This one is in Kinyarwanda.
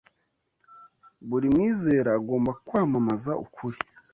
Buri Mwizera Agomba Kwamamaza Ukuri